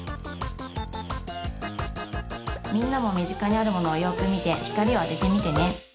みんなもみぢかにあるものをよくみてひかりをあててみてね。